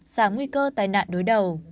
giảm nguy cơ tai nạn đối đầu